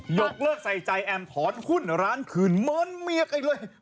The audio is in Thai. หยกเลิกใส่ใจแอมผอนหุ้นร้านคืนเหมือนเมียใกล้เลยเหมือนเคลียร์